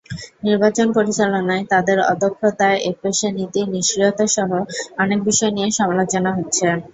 নির্বাচন পরিচালনায় তাদের অদক্ষতা, একপেশে নীতি, নিষ্ক্রিয়তাসহ অনেক বিষয় নিয়ে সমালোচনা হচ্ছে।